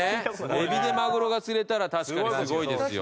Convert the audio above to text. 海老でマグロが釣れたら確かにすごいですよ。